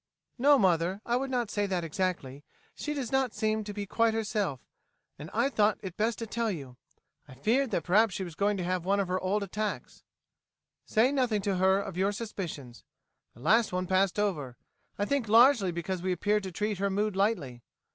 "No, mother, I would not say that exactly. Yet she does not seem to be quite herself, and I thought it best to tell you. I feared that perhaps she was going to have one of her old attacks." "Say nothing to her of your suspicions. The last one passed over, I think largely because we appeared to treat her mood lightly.